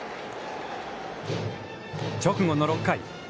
直後の６回。